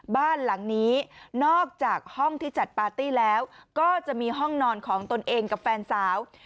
บ้านหลังนี้นอกจากห้องที่จัดปาร์ตี้แล้วก็จะมีห้องนอนของตนเองกับแฟนสาว